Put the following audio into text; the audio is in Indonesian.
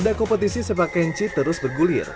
pada kompetisi sepak kenji terus bergulir